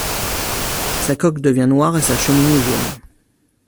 Sa coque devient noire et sa cheminée jaune.